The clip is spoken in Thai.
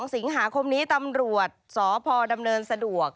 ๒สิงหาคมนี้ตำรวจสพดำเนินสะดวก